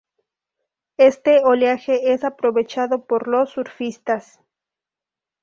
Este oleaje es aprovechado por los surfistas.